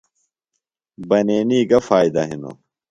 بنینی گہ فائدہ ہِنوۡ؟